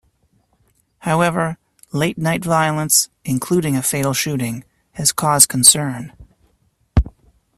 However, late night violence, including a fatal shooting, has caused concern.